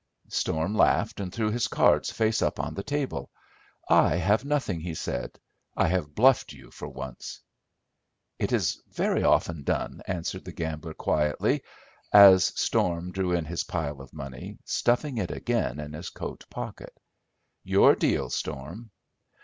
Storm laughed and threw his cards face up on the table. "I have nothing," he said, "I have bluffed you for once." "It is very often done," answered the gambler, quietly, as Storm drew in his pile of money, stuffing it again in his coat pocket. "Your deal, Storm."